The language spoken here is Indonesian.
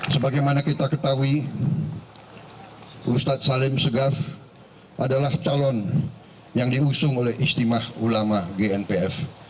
sebagaimana kita ketahui ustadz salim segaf adalah calon yang diusung oleh istimah ulama gnpf